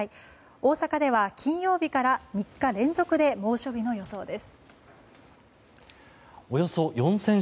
大阪では金曜日から３日連続で猛暑日の予想です。